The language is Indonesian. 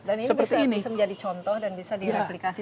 dan ini bisa menjadi contoh dan bisa direplikasi